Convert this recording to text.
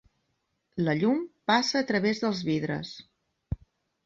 La llum passa a través dels vidres.